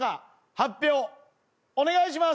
発表お願いします。